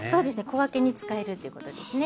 小分けに使えるということですね。